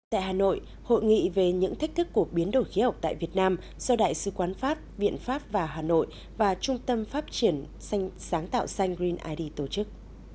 tại hà nội hội nghị về những thách thức của biến đổi khí hậu tại việt nam do đại sứ quán pháp viện pháp và hà nội và trung tâm phát triển xanh sáng tạo xanh green id tổ chức